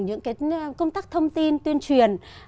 những công tác thông tin tuyên truyền